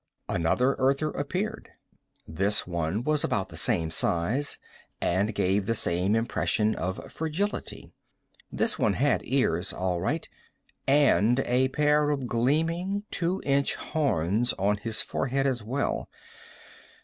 Another Earther appeared. This one was about the same size, and gave the same impression of fragility. This one had ears, all right and a pair of gleaming, two inch horns on his forehead as well.